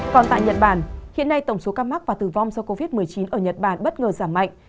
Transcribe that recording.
còn tại nhật bản hiện nay tổng số ca mắc và tử vong do covid một mươi chín ở nhật bản bất ngờ giảm mạnh